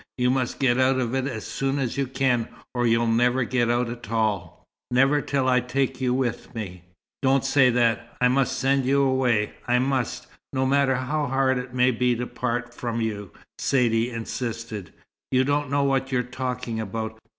You must get out of it as soon as you can, or you'll never get out at all." "Never till I take you with me." "Don't say that! I must send you away. I must no matter how hard it may be to part from you," Saidee insisted. "You don't know what you're talking about.